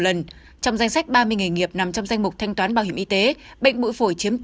lần trong danh sách ba mươi nghề nghiệp nằm trong danh mục thanh toán bảo hiểm y tế bệnh bụi phổi chiếm